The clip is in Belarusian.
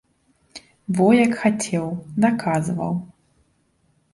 Во як хацеў, даказваў.